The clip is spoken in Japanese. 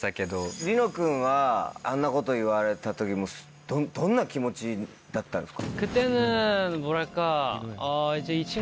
ＬｅｅＫｎｏｗ君はあんなこと言われた時どんな気持ちだったんですか？